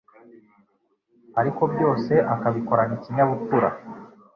ariko byose akabikorana ikinyabupfura